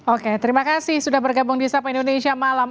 oke terima kasih sudah bergabung di sapa indonesia malam